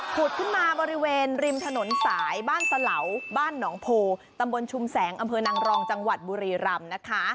ขุดขึ้นมาบริเวณริมถนนสายบ้านสะเหลาบ้านหนองโพตำบลชุมแสงอำเภอนางรองจังหวัดบุรีรำนะคะ